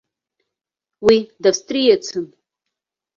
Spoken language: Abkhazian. Уи давстриецын.